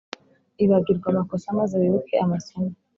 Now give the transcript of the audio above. ibagirwa amakosa maze wibuke amasomo